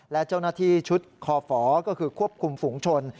และเจ้าหน้าที่ชุดคอฝก็คือควบคุมฝุงชน